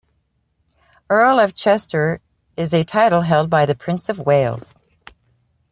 Earl of Chester is a title held by the Prince of Wales.